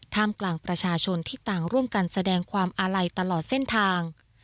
กลางประชาชนที่ต่างร่วมกันแสดงความอาลัยตลอดเส้นทาง